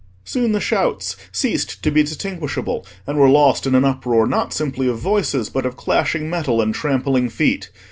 Soon the shouts ceased to be distinguishable, and were lost in an uproar not simply of voices, but of clashing metal and trampling feet.